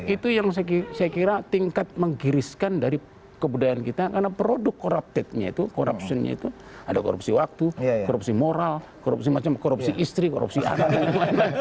itu yang saya kira tingkat menggiriskan dari kebudayaan kita karena produk corruptednya itu corruptionnya itu ada korupsi waktu korupsi moral korupsi macam korupsi istri korupsi anak dan lain lain